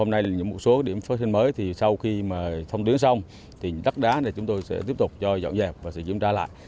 nếu không xong thì đất đá này chúng tôi sẽ tiếp tục cho dọn dẹp và sẽ kiểm tra lại